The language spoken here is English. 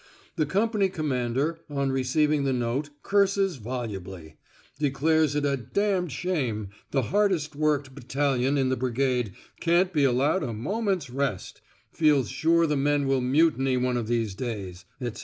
The company commander on receiving the note curses volubly, declares it a "d d shame the hardest worked battalion in the brigade can't be allowed a moment's rest, feels sure the men will mutiny one of these days," etc.